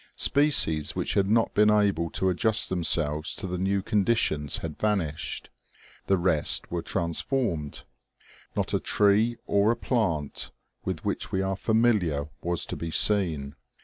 Species which had not been able to adjust themselves to the new conditions had vanished ; the rest were transformed. Not a tree or a plant with which we are familiar was to be seen.